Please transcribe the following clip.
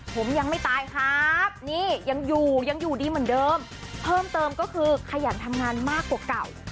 ผมยังไม่ตายครับนี่ยังอยู่ยังอยู่ดีเหมือนเดิมเพิ่มเติมก็คือขยันทำงานมากกว่าเก่า